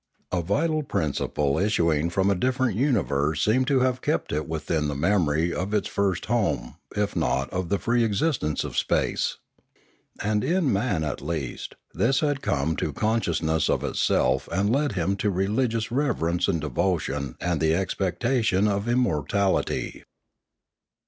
A vital principle issuing from a different universe seemed to have kept within it the memory of its first home if not of the free existence of space. And in man, at least, this had come to consciousness of itself and led him to religious reverence and devotion and the expectation of immortality.